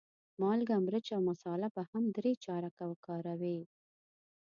مالګه، مرچ او مساله به هم درې چارکه وکاروې.